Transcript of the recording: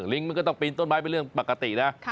มันก็ต้องปีนต้นไม้เป็นเรื่องปกตินะ